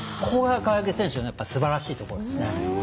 これは、川除選手のすばらしいところですね。